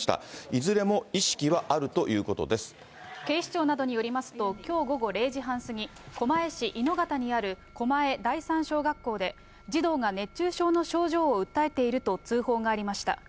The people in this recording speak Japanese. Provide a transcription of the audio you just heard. いずれも意識はあるということで警視庁などによりますと、きょう午後０時半過ぎ、狛江市猪方にある狛江第三小学校で、児童が熱中症の症状を訴えていると通報がありました。